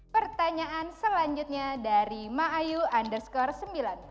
pertanyaan selanjutnya dari maayu underscore sembilan puluh